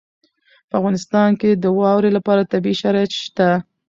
په افغانستان کې د واورې لپاره طبیعي شرایط شته.